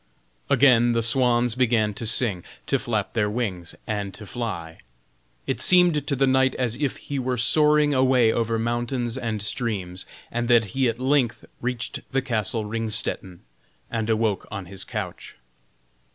Again the swans began to sing, to flap their wings, and to fly. It seemed to the knight as if he were soaring away over mountains and streams, and that he at length reached the castle Ringstetten, and awoke on his couch.